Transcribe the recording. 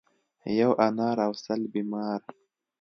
ـ یو انار او سل بیمار.